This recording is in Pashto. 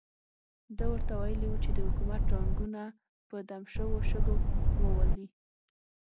ده ورته ویلي وو چې د حکومت ټانګونه په دم شوو شګو وولي.